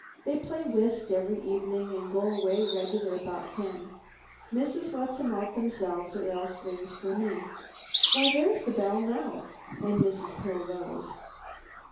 They play whist every evening and go away regular about ten. Missus let's 'em out themselves or else rings for me. Why, there's the bell now," and Mrs. Pill rose.